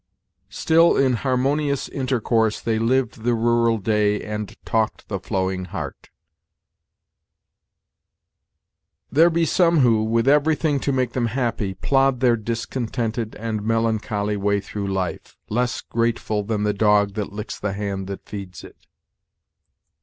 "Still in harmonious intercourse they lived The rural day, and talked the flowing heart." "There be some who, with everything to make them happy, plod their discontented and melancholy way through life, less grateful than the dog that licks the hand that feeds it."